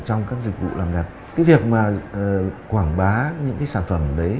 trong các dịch vụ làm nhật cái việc mà quảng bá những cái sản phẩm đấy